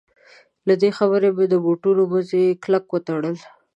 له دې خبرې سره مې د بوټونو مزي کلک وتړل.